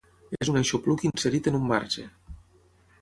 És un aixopluc inserit en un marge.